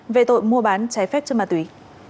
về tội mua bán trái phép cho ma tí